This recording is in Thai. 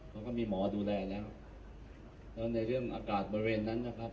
เขาก็มีหมอดูแลแล้วแล้วในเรื่องอากาศบริเวณนั้นนะครับ